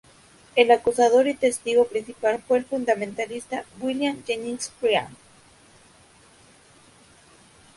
El acusador y testigo principal fue el fundamentalista William Jennings Bryan.